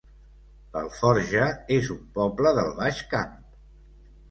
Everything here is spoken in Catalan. L'Alforja es un poble del Baix Camp